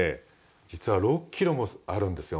実は６ｋｇもあるんですよ